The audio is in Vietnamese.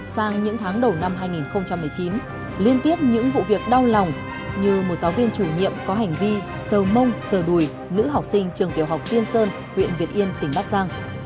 sang những tháng đầu năm hai nghìn một mươi chín liên tiếp những vụ việc đau lòng như một giáo viên chủ nhiệm có hành vi sờ mông sờ đùi nữ học sinh trường tiểu học tiên sơn huyện việt yên tỉnh bắc giang